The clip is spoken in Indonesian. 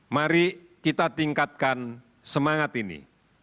mari kita tingkatkan semangat ini